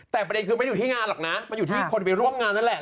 แต่ประเด็นคือไม่อยู่ที่งานหรอกนะมันอยู่ที่คนไปร่วมงานนั่นแหละ